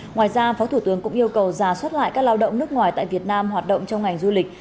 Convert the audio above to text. ngoài ra phó thủ tướng cũng yêu cầu giả soát lại các lao động nước ngoài tại việt nam hoạt động trong ngành du lịch